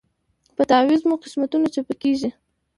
په تعویذ مو قسمتونه چپه کیږي